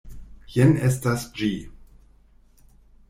Jen estas ĝi!